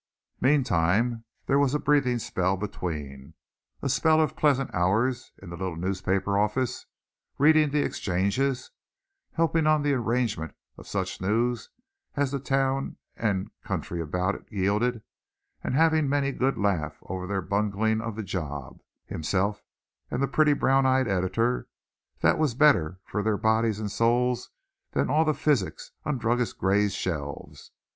Meantime, there was a breathing spell between, a spell of pleasant hours in the little newspaper office, reading the exchanges, helping on the arrangement of such news as the town and country about it yielded, and having many a good laugh over their bungling of the job, himself and the pretty, brown eyed editor, that was better for their bodies and souls than all the physic on Druggist Gray's shelves.